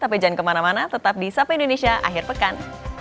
tapi jangan kemana mana tetap di sapa indonesia akhir pekan